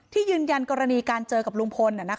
ยืนยันกรณีการเจอกับลุงพล